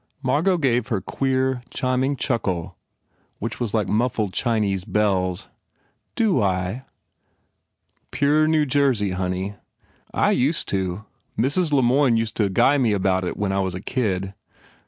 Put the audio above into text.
Margot gave her queer, chiming chuckle which was like muffled Chinese bells. u Do I ?" "Pure New Jersey, honey. I used to. Mrs. Le Moyne used to guy me about it when I was a kid."